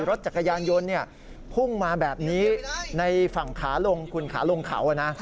รถจักรยานยนต์พุ่งมาแบบนี้ในฝั่งขาลงคุณขาลงเขานะ